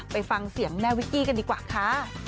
ไปฟังเสียงแม่วิกกี้กันดีกว่าค่ะ